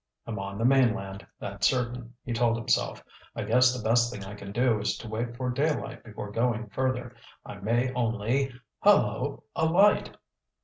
"I'm on the mainland, that's certain," he told himself. "I guess the best thing I can do is to wait for daylight before going further. I may only Hullo, a light!"